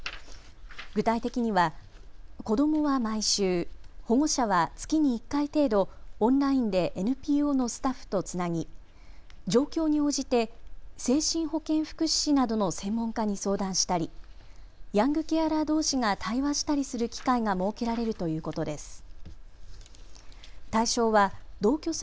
具体的には子どもは毎週、保護者は月に１回程度、オンラインでＮＰＯのスタッフとつなぎ状況に応じて精神保健福祉士などの専門家に相談したりヤングケアラーどうしが対話したりする機会が設けられるということです。